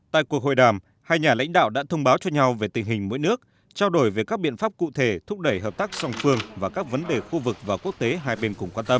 tại cuộc hội đàm hai nhà lãnh đạo đã thông báo cho nhau về tình hình mỗi nước trao đổi về các biện pháp cụ thể thúc đẩy hợp tác song phương và các vấn đề khu vực và quốc tế hai bên cùng quan tâm